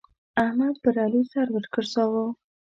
احمد پر علي سر وګرځاوو.